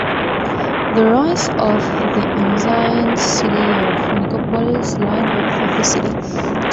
The ruins of the ancient city of Nicopolis lie north of the city.